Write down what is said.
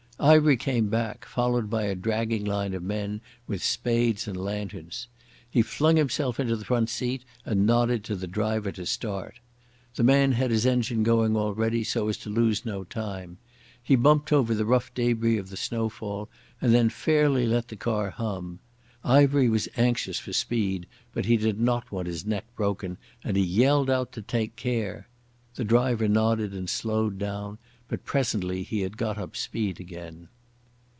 Ivery came back, followed by a dragging line of men with spades and lanterns. He flung himself into the front seat and nodded to the driver to start. The man had his engine going already so as to lose no time. He bumped over the rough debris of the snowfall and then fairly let the car hum. Ivery was anxious for speed, but he did not want his neck broken and he yelled out to take care. The driver nodded and slowed down, but presently he had got up speed again.